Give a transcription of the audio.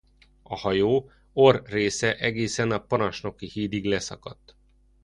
A hajó orr része egészen a parancsnoki hídig leszakadt.